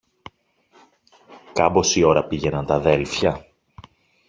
Κάμποση ώρα πήγαιναν τ' αδέλφια.